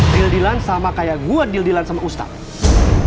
deal dealan sama kayak gue deal dealan sama ustadz